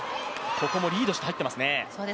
ここもリードして入っていますね。